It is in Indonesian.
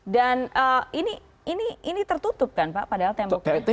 dan ini tertutup kan pak padahal temboknya